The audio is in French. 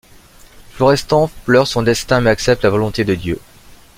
Florestan pleure son destin mais accepte la volonté de Dieu.